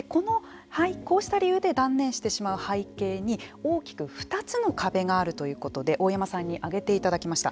こうした理由で断念してしまう背景に大きく２つの壁があるということで大山さんに挙げていただきました。